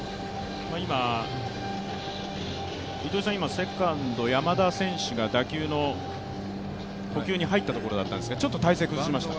セカンド、山田選手が打球の捕球に入ったところなんですがちょっと体勢を崩しました。